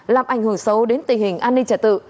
làm ảnh hưởng xấu đến tình hình an ninh trả tự